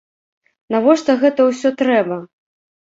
Навошта гэта ўсё трэба?